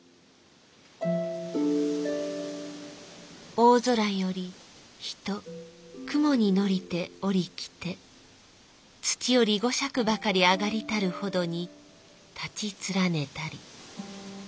「大空より人雲に乗りて下り来て土より五尺ばかり上がりたるほどに立ち連ねたり。